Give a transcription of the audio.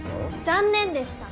残念でした。